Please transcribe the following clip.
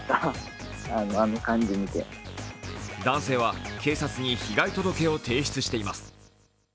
男性は警察に被害届を提出しています。